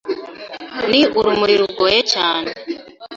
Ni ururimi rugoye cyane.